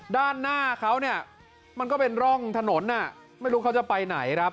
ด้านหน้าเขามันก็เป็นร่องถนนไม่รู้เขาจะไปไหน